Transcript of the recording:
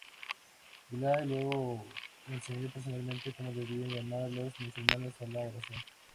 Bilal luego enseñó personalmente cómo debían llamar los musulmanes a la oración.